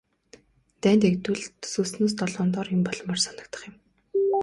Дайн дэгдвэл төсөөлснөөс долоон доор юм болмоор санагдах юм.